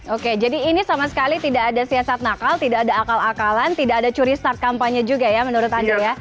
oke jadi ini sama sekali tidak ada siasat nakal tidak ada akal akalan tidak ada curi start kampanye juga ya menurut anda ya